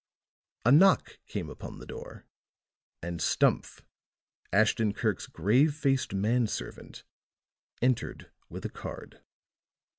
A knock came upon the door, and Stumph, Ashton Kirk's grave faced man servant, entered with a card.